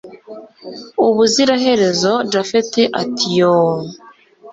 ubuzira herezo japhet ati yooh